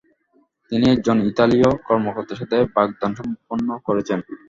তিনি একজন ইতালীয় কর্মকর্তার সাথে বাগদান সম্পন্ন করেছেন।